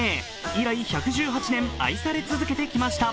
以来、１１８年愛され続けてきました。